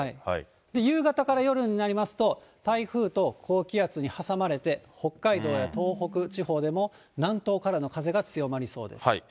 夕方から夜になりますと、台風と高気圧に挟まれて、北海道や東北地方でも南東からの風が強まりそうです。